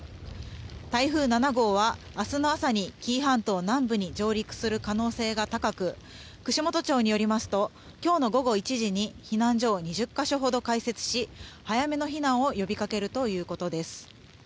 台風７号は明日の朝に紀伊半島南部に上陸する可能性が高く串本町によりますと今日の午後１時に避難所を２０か所ほど開設し早めの避難を呼びかけるということです。